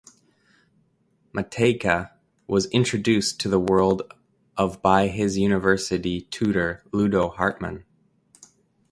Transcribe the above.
Matejka was introduced to the world of by his university tutor Ludo Hartmann.